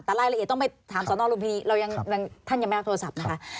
แต่รายละเอียดต้องไปถามสนรุมพินีเรายังท่านยังไม่รับโทรศัพท์นะคะ